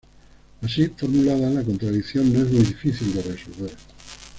Así formulada, la contradicción no es muy difícil de resolver.